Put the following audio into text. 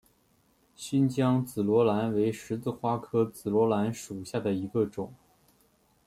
新疆紫罗兰为十字花科紫罗兰属下的一个种。